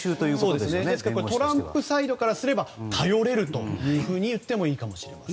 ですからトランプサイドからすれば頼れるといってもいいかもしれません。